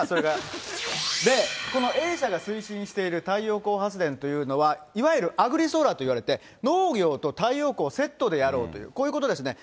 で、このＡ社が推進している太陽光発電というのは、いわゆるアグリソーラーといわれて、農業と太陽光をセットでやろうという、こういうことですね。